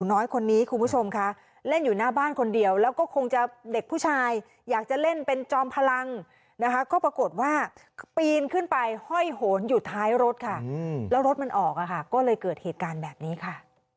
น้อยคนนี้คุณผู้ชมค่ะเล่นอยู่หน้าบ้านคนเดียวแล้วก็คงจะเด็กผู้ชายอยากจะเล่นเป็นจอมพลังนะคะก็ปรากฏว่าปีนขึ้นไปห้อยโหนอยู่ท้ายรถค่ะแล้วรถมันออกอะค่ะก็เลยเกิดเหตุการณ์แบบนี้ค่ะ